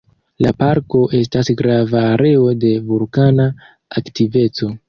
La parko estas grava areo de vulkana aktiveco.